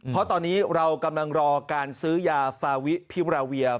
เพราะตอนนี้เรากำลังรอการซื้อยาฟาวิพิราเวีย